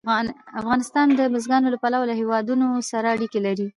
افغانستان د بزګانو له پلوه له هېوادونو سره اړیکې لري.